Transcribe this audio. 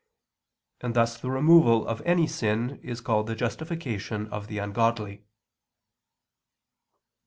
And thus the removal of any sin is called the justification of the ungodly.